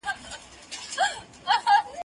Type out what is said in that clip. زه لاس مينځلي دي،